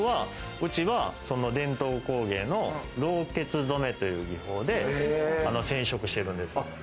うちは伝統工芸の、ろうけつ染という技法で染色してるんです。